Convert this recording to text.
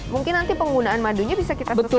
mungkin nanti penggunaan madunya bisa kita sesuaikan ya chef